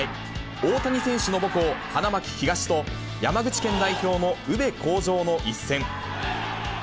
大谷選手の母校、花巻東と、山口県代表の宇部鴻城の一戦。